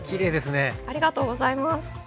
ありがとうございます。